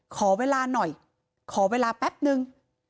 ขอเวลาหน่อยขอเวลาแป๊บนึง